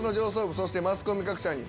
そしてマスコミ各社に